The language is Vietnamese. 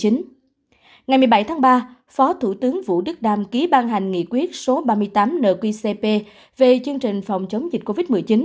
ngày một mươi bảy tháng ba phó thủ tướng vũ đức đam ký ban hành nghị quyết số ba mươi tám nqcp về chương trình phòng chống dịch covid một mươi chín